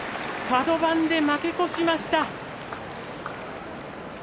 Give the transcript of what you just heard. カド番で負け越しました。